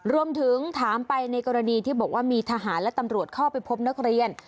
รวมถึงถามไปในกรณีที่บอกว่ามีทหารและตำรวจเข้าไปพบนักเรียน